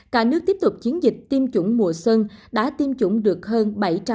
cả nước tiếp tục chiến dịch tiêm chủng mùa sân đã tiêm chủng được hơn bảy